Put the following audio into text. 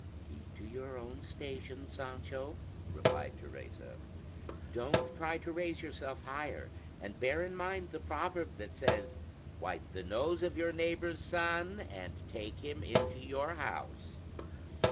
"Keep to your own station, Sancho," replied Teresa; "don't try to raise yourself higher, and bear in mind the proverb that says, 'Wipe the nose of your neighbor's son, and take him into your house.'